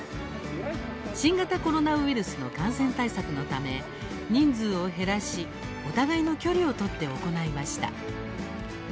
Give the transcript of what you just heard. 新型コロナウイルスの感染対策のため人数を減らしお互いの距離を取って行いました。